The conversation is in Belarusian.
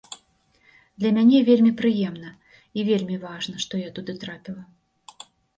Для мяне вельмі прыемна і вельмі важна, што я туды трапіла.